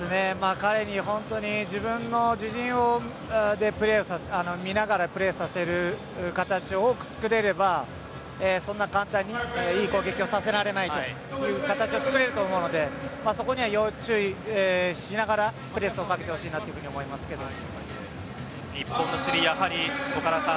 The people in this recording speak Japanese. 彼に本当に自陣でプレーを見ながらプレーさせる形多くつくれればそんな簡単にいい攻撃させられないという形になると思うのでそこには要注意しながらプレスをかけてほしいなと日本の守備、やはり岡田さん